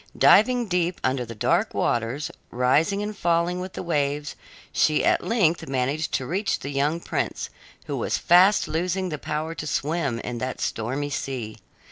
Diving deep under the dark waters, rising and falling with the waves, she at length managed to reach the young prince, who was fast losing the power to swim in that stormy sea.